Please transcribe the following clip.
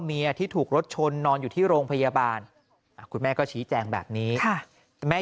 ที่ถูกรถชนนอนอยู่ที่โรงพยาบาลคุณแม่ก็ชี้แจงแบบนี้แม่